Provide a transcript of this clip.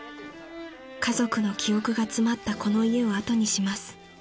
［家族の記憶が詰まったこの家を後にします］